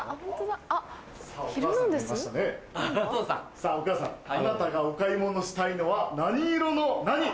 さぁお母さんあなたがお買い物したいのは何色の何？